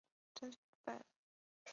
他们住在皇家坦布里奇韦尔斯。